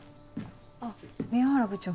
あっ宮原部長。